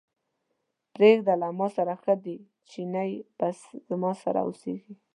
پرېږده له ماسره ښه دی، چينی به زما سره اوسېږي.